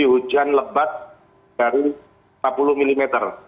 hujan lebat dari empat puluh mm